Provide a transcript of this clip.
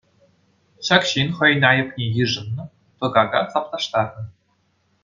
Ҫак ҫын хӑйӗн айӑпне йышӑннӑ, тӑкака саплаштарнӑ.